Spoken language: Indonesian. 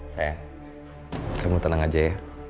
sayang kamu tenang aja ya